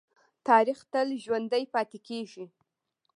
تاریخ تل ژوندی پاتې کېږي.